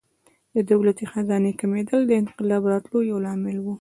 د دولتي خزانې کمېدل د انقلاب راتلو یو لامل و.